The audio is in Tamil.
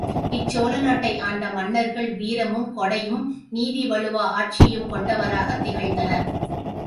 இச் சோழநாட்டை ஆண்ட மன்னர்கள் வீரமும், கொடையும், நீதி வழுவா ஆட்சியும் கொண்டவராகத் திகழ்ந்தனர்.